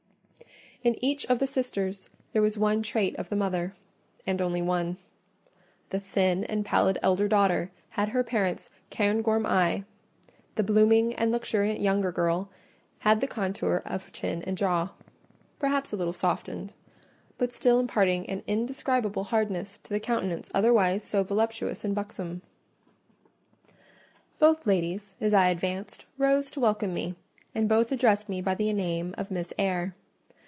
In each of the sisters there was one trait of the mother—and only one; the thin and pallid elder daughter had her parent's Cairngorm eye: the blooming and luxuriant younger girl had her contour of jaw and chin—perhaps a little softened, but still imparting an indescribable hardness to the countenance otherwise so voluptuous and buxom. Both ladies, as I advanced, rose to welcome me, and both addressed me by the name of "Miss Eyre."